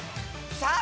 さあ